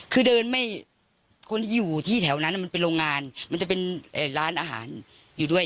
คือเดินไม่คนที่อยู่ที่แถวนั้นมันเป็นโรงงานมันจะเป็นร้านอาหารอยู่ด้วย